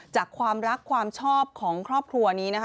จากความรักความชอบของครอบครัวนี้นะคะ